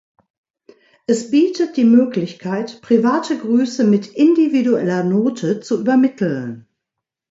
Es bietet die Möglichkeit, private Grüße mit individueller Note zu übermitteln.